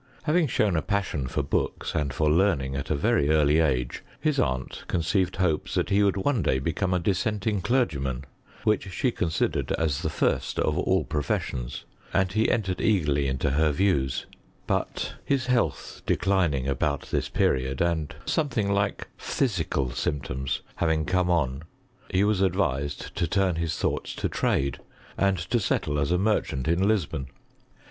Having shown a passion for books and for learning at a very early age, his aunt conceived hopes that he u'ould one xlay become a dissenting clergyman, ii'hich she considered as the first of all professions; and he entered eagerly into her views: but his health declining about this period, and something like phthisical symptoms having come on, he was advised to turn his thoughts to trade, and to settle as a merchant in Lisbon.